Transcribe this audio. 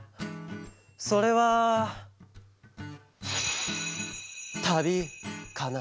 それはたびかな？